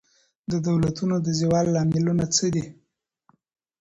د دولتونو د زوال لاملونه څه دي؟